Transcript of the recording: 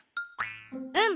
うん。